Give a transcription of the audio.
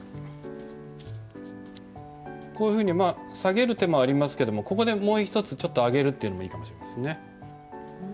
こういうふうに下げる手もありますけどもここでもう一つちょっと上げるっていうのもいいかもしれませんね。